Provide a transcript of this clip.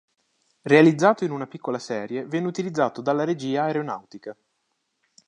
Realizzato in una piccola serie venne utilizzato dalla Regia Aeronautica.